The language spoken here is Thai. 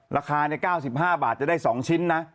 ราคา๙๕บาทจะได้สองชิ้นน่ะ